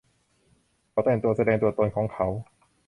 เขาแต่งตัวแสดงตัวตนของเขา